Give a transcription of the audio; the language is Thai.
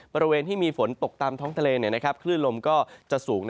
บริเวณที่มีฝนตกตามท้องทะเลคลื่นลมก็จะสูง